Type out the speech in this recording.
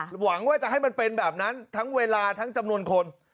หวังว่าจะให้มันเป็นแบบนั้นทั้งเวลาทั้งจำนวนคน